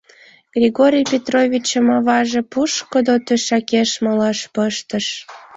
Григорий Петровичым аваже пушкыдо тӧшакеш малаш пыштыш.